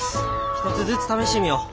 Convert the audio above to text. １つずつ試してみよう。